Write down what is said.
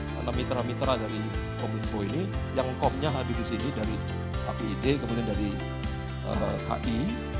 karena mitra mitra dari komunipo ini yang komnya hadir di sini dari kpid kemudian dari ki